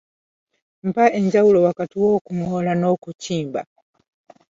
Mpa enjawulo wakati w’okuŋoola n’okukimba..